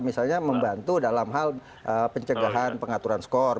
misalnya membantu dalam hal pencegahan pengaturan skor